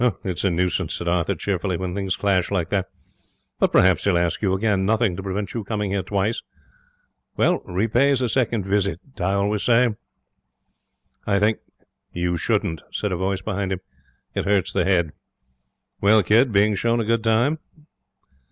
'It's a nuisance,' said Arthur, cheerily, 'when things clash like that. But perhaps he'll ask you again. Nothing to prevent you coming here twice. Well repays a second visit, I always say. I think ' 'You shouldn't,' said a voice behind him. 'It hurts the head. Well, kid, being shown a good time?'